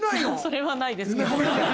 それはないです。